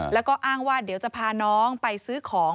แล้วก็อ้างว่าเดี๋ยวจะพาน้องไปซื้อของ